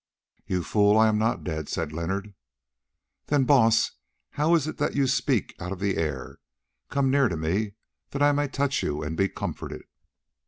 "You fool, I am not dead," said Leonard. "Then, Baas, how is it that you speak out of the air? Come near to me that I may touch you and be comforted."